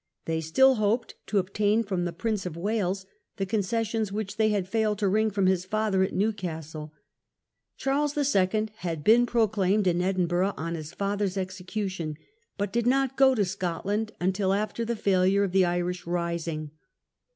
They still hoped to obtain from the Prince of Wales the concessions which they had failed to wring from his father at Newcastle. Charles II. had been proclaimed in Edinburgh on his father's execution, but did not go to Scotland until after the failure of the Irish rising.